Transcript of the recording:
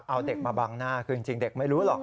เอาเด็กมาบังหน้าคือจริงเด็กไม่รู้หรอก